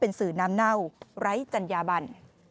เป็นสื่อน้ำเน่าไร้จันยาบัน